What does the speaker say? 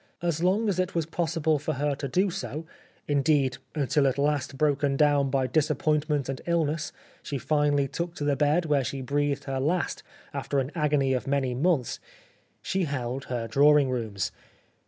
As long as it was possible for her to do so, indeed until at last broken down by disappointment and illness she finally took to the bed where she breathed her last after an agony of many months, she held her drawing rooms.